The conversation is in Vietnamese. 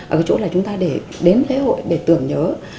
ở cái chỗ là chúng ta để đến lễ hội để tưởng nhớ